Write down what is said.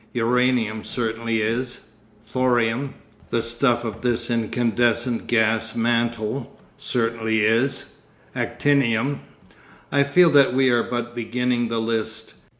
Uranium certainly is; thorium—the stuff of this incandescent gas mantle—certainly is; actinium. I feel that we are but beginning the list.